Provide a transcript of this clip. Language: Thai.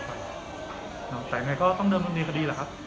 แต่ยังไงก็ต้องเริ่มตรงนี้คดีแหละครับ